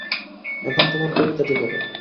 এখন তোমার কবিতাটি বলো।